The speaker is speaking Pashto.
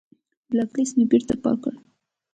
بلاک لست مې بېرته پاک کړ.